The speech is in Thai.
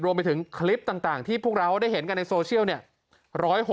รวมไปถึงคลิปต่างที่พวกเราได้เห็นกันในโซเชียลเนี่ย